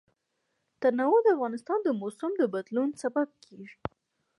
تنوع د افغانستان د موسم د بدلون سبب کېږي.